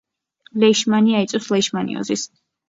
ლეიშმანია იწვევს ლეიშმანიოზის.